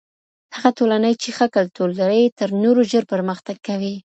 هغه ټولني چی ښه کلتور لري تر نورو ژر پرمختګ کوي.